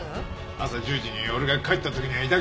朝１０時に俺が帰った時にはいたけど？